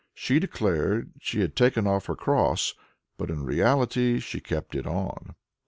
She declared she had taken off her cross, but in reality she kept it on.